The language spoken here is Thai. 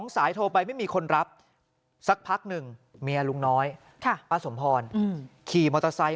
สายโทรไปไม่มีคนรับสักพักหนึ่งเมียลุงน้อยป้าสมพรขี่มอเตอร์ไซค